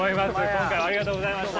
今回はありがとうございました。